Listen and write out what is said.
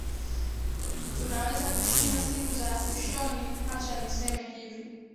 tunaweza kushinda siku za ushoni hacha niseme hivi